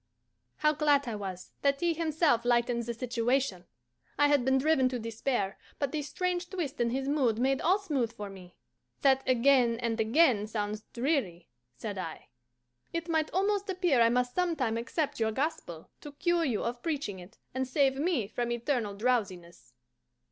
How glad I was that he himself lightened the situation! I had been driven to despair, but this strange twist in his mood made all smooth for me. "That 'again and again' sounds dreary," said I. "It might almost appear I must sometime accept your gospel, to cure you of preaching it, and save me from eternal drowsiness."